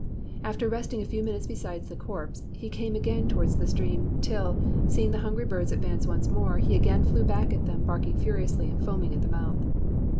After resting a few minutes beside the corpse, he came again towards the stream, till, seeing the hungry birds advance once more, he again flew back at them, barking furiously and foaming at the mouth.